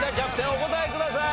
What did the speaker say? お答えください。